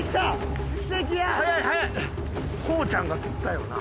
コウちゃんが釣ったよな？